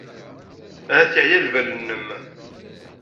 Ahat yeɛya lbal-nnem.